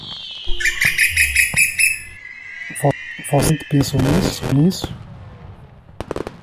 Você realmente pensou nisso?